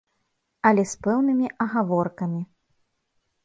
Але з пэўнымі агаворкамі.